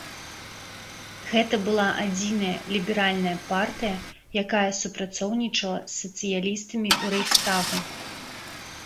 Гэта была адзіная ліберальная партыя, якая супрацоўнічала з сацыялістамі ў рэйхстагу.